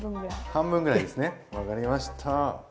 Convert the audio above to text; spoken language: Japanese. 半分ぐらいですね分かりました。